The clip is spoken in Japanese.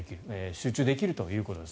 集中できるということです。